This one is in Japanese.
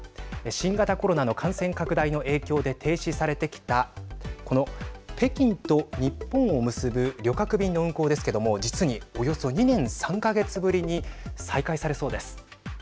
新型コロナの感染拡大の影響で停止されてきたこの北京と日本を結ぶ旅客便の運航ですけども実におよそ２年３か月ぶりに再開されそうです。